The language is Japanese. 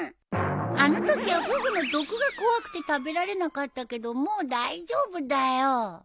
あのときはフグの毒が怖くて食べられなかったけどもう大丈夫だよ。